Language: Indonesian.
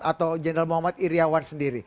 atau jenderal muhammad iryawan sendiri